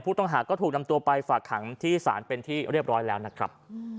ผู้ต้องหาก็ถูกนำตัวไปฝากขังที่ศาลเป็นที่เรียบร้อยแล้วนะครับ